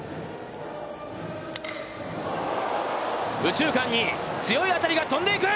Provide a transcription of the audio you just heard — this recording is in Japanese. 右中間に強い当たりが飛んでいく。